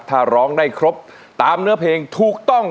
ถ้าร้องได้ครบตามเนื้อเพลงถูกต้อง